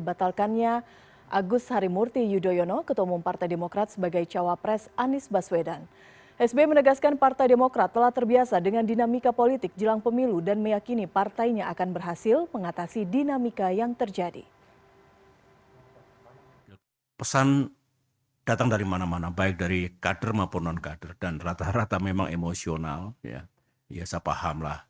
baik dari kader maupun non kader dan rata rata memang emosional ya saya paham lah